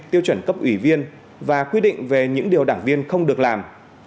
tiêu chuẩn cấp ủy viên và quy định về những điều đảng viên không được làm